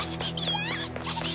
嫌！